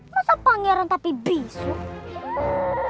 masa pangeran tapi bisu